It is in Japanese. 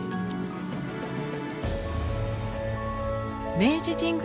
明治神宮